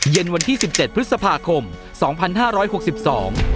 เย็นวันที่สิบเจ็ดพฤษภาคมสองพันห้าร้อยหกสิบสอง